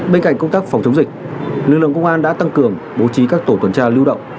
bên cạnh công tác phòng chống dịch lực lượng công an đã tăng cường bố trí các tổ tuần tra lưu động